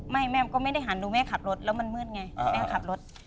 แม่ก็ไม่ได้หันดูแม่ขับรถแล้วมันมืดไงแม่ขับรถ